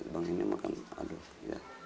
bang ini makan aduh ya